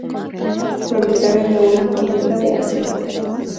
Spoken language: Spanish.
Propietario de una fábrica de Aceite Industrial Sur.